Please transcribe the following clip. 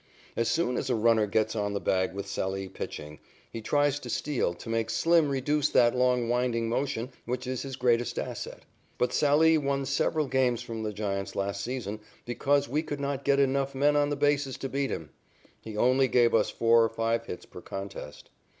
As soon as a runner gets on the bag with Sallee pitching, he tries to steal to make "Slim" reduce that long winding motion which is his greatest asset. But Sallee won several games from the Giants last season because we could not get enough men on the bases to beat him. He only gave us four or five hits per contest.